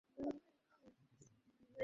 আমরা প্রয়োগের দিকটি দেখতে চাই।